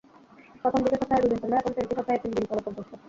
প্রথম দিকে সপ্তাহে দুদিন চললেও এখন ট্রেনটি সপ্তাহে তিন দিন চলাচল করছে।